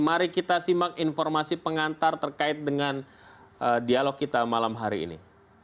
mari kita simak informasi pengantar terkait dengan dialog kita malam hari ini